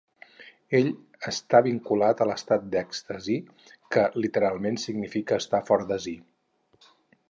Ell està vinculat a l'estat d'èxtasi, que literalment significa estar fora de si.